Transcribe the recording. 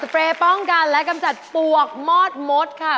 แพงกว่า